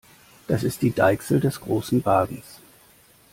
Das ist die Deichsel des Großen Wagens.